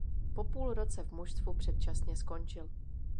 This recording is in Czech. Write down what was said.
Po půl roce v mužstvu předčasně skončil.